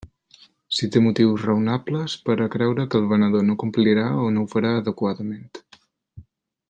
Si té motius raonables per a creure que el venedor no complirà o no ho farà adequadament.